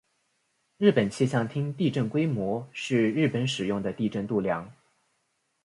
日本气象厅地震规模是日本使用的地震度量。